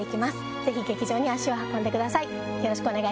ぜひ劇場に足を運んでください